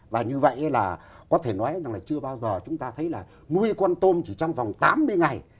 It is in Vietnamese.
và như vậy là có thể nói rằng là chưa bao giờ chúng ta thấy là nuôi con tôm chỉ trong vòng tám mươi ngày